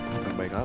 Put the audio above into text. yang terbaik apa